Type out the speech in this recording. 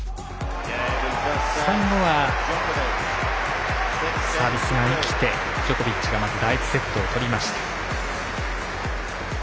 最後はサービスが生きてジョコビッチがまず第１セットを取りました。